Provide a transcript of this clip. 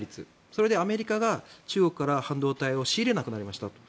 それで、アメリカが中国から半導体を仕入れなくなりましたと。